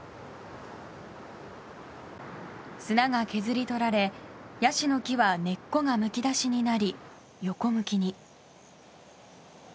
砂が削り取られヤシの木は、根っこがむき出しになり横向きに。